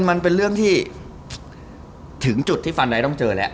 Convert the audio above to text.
มันเป็นเรื่องที่ถึงจุดที่ฟันไนท์ต้องเจอแล้ว